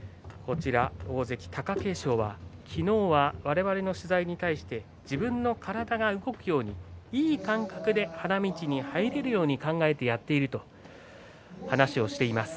大関貴景勝は昨日はわれわれの取材に対して自分の体が動くようにいい感覚で花道に入れるように考えてやっているという話をしています。